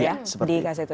iya seperti itu